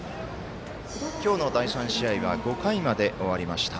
今日の第３試合は５回まで終わりました。